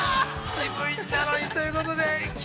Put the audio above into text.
◆じむいんなのにということで。